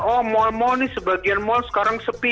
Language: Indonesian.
oh mall mall nih sebagian mall sekarang sepi